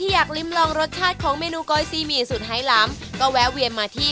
ที่อยากริมลองรสชาติของเมนูสุดไทรลัมน์ก็แววเวียนมาที่